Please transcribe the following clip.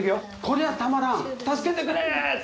「こりゃたまらん助けてくれ。